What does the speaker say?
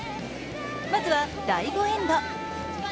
まずは第５エンド。